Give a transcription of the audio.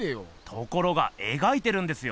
ところが描いてるんですよ。